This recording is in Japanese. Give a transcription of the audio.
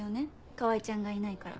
川合ちゃんがいないから。